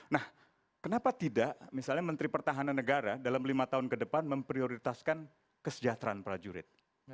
nah kenapa tidak misalnya menteri pertahanan negara dalam lima tahun ke depan memprioritaskan kesejahteraan prajurit